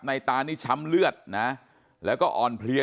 ตานี่ช้ำเลือดนะแล้วก็อ่อนเพลีย